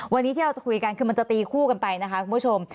วันนี้ที่เราจะคุยกันคือมันจะตีคู่กันไปนะคะคุณผู้ชม